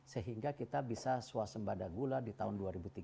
sehingga kita bisa suasembada gula di tahun dua ribu tiga puluh